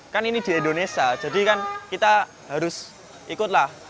kan ini di indonesia jadi kan kita harus ikutlah